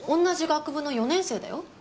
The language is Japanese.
同じ学部の４年生だよ。